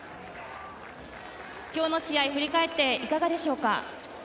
今日の試合振り返っていかがでしょうか？